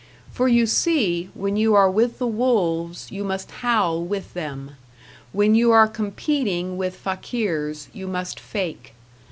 For you see, when you are with the wolves you must howl with them; when you are competing with fakirs you must fake.